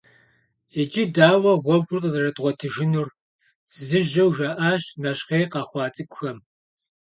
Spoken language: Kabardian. «Иджы дауэ гъуэгур къызэрыдгъуэтыжынур?» - зыжьэу жаӀащ нэщхъей къэхъуа цӀыкӀухэм.